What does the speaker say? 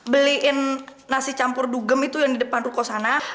beliin nasi campur dugem itu yang di depan rukosanah